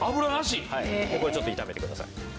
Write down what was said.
ちょっと炒めてください。